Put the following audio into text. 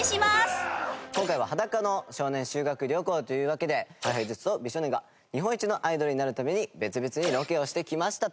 今回は『裸の少年』修学旅行というわけでＨｉＨｉＪｅｔｓと美少年が日本一のアイドルになるために別々にロケをしてきましたと。